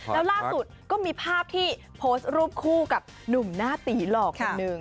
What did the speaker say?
แล้วล่าสุดก็มีภาพที่โพสต์รูปคู่กับหนุ่มหน้าตีหล่อคนหนึ่ง